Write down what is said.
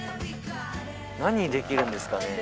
何できるんですかね？